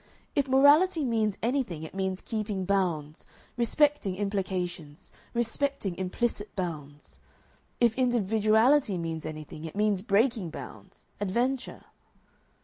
If morality means anything it means keeping bounds, respecting implications, respecting implicit bounds. If individuality means anything it means breaking bounds adventure.